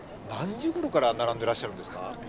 何時ごろから並んでらっしゃるんですか？